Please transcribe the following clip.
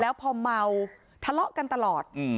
แล้วพอเมาทะเลาะกันตลอด